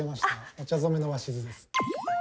お茶染めの鷲巣です。